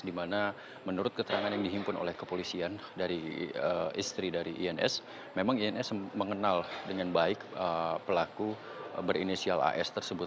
di mana menurut keterangan yang dihimpun oleh kepolisian dari istri dari ins memang ins mengenal dengan baik pelaku berinisial as tersebut